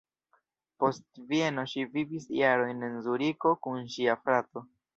Post Vieno ŝi vivis jaron en Zuriko kun ŝia frato.